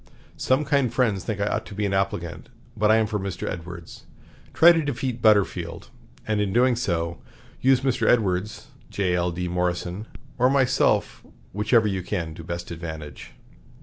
Some kind friends think I ought to be an applicant, but I am for Mr. Edwards. Try to defeat Butterfield, and, in doing so, use Mr. Edwards, J.L.D. Morrison, or myself, whichever you can to best advantage."